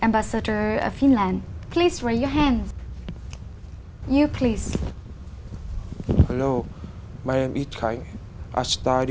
và tôi nghĩ rằng ở việt nam chúng ta có một cộng đồng tốt